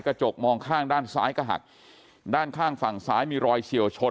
กระจกมองข้างด้านซ้ายก็หักด้านข้างฝั่งซ้ายมีรอยเฉียวชน